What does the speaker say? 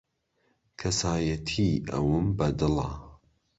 کەسایەتیی ئەوم بەدڵە.